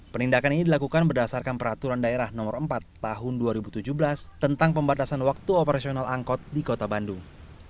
penindakan ini dilakukan berdasarkan peraturan daerah no empat tahun dua ribu tujuh belas tentang pembatasan waktu operasional angkot di kota bandung